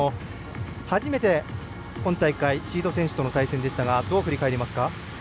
初めて、今大会シード選手との対戦でしたがどう振り返りますか。